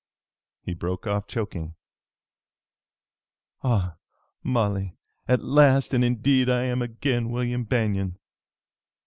He broke off, choking. "Ah, Molly, at last and indeed I am again William Banion!"